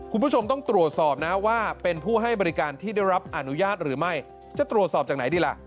คุณผู้ชมต้องตรวจสอบนะว่าเป็นผู้ให้บริการที่ได้รับอนุญาตหรือไม่จะตรวจสอบจากไหนดีล่ะ